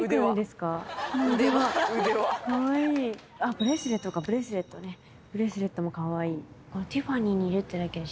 ブレスレットかブレスレットねブレスレットもかわいい。